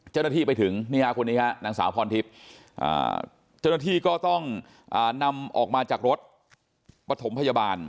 เจ้าหน้าที่ไปถึงคนนี้ฮะนางสาวพรทิพย์เจ้าหน้าที่ก็ต้องนำออกมาจากรถปฐมพยาบาล